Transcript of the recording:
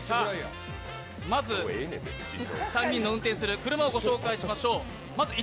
まず、３人の運転する車をご紹介しましょう。